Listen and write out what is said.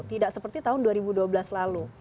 tidak seperti tahun dua ribu dua belas lalu